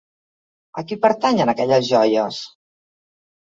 A qui pertanyen aquelles joies?